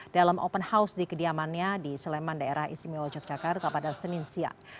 dalam open house di kediamannya di sleman daerah istimewa yogyakarta pada senin siang